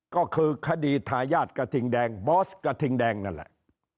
ก็คือคดีทายาทกระทิงแดงบอสกระทิงแดงนั่นแหละ